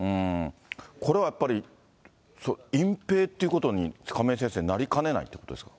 これはやっぱり、隠蔽っていうことに、亀井先生、なりかねないということですか。